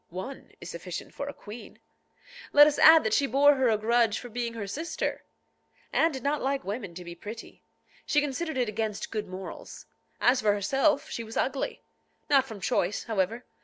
One is sufficient for a queen. Let us add that she bore her a grudge for being her sister. Anne did not like women to be pretty. She considered it against good morals. As for herself, she was ugly. Not from choice, however.